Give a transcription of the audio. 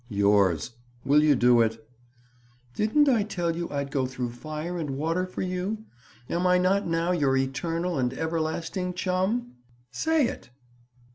"Yours. Will you do it?" "Didn't I tell you I'd go through fire and water for you? Am I not now your eternal and everlasting chum? Say it."